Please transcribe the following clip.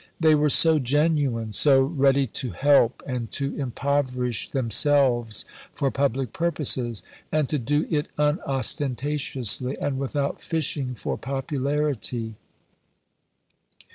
They were so genuine, so ready to help and to impoverish themselves for public purposes, and to do it unostentatiously and without fishing for popularity."